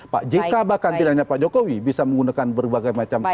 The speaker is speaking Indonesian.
pak jk bahkan tidak hanya pak jokowi bisa menggunakan berbagai macam